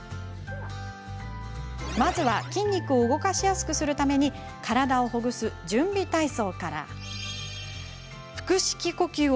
まずは筋肉を動かしやすくするために体をほぐす準備体操。